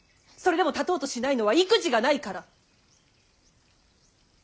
それでも立とうとしないのは意気地がないから。